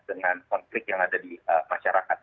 dengan konflik yang ada di masyarakat